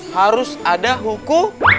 harus ada hukum